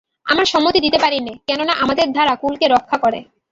আমি সম্মতি দিতে পারি নে, কেননা আমাদের ধারা কূলকে রক্ষা করে।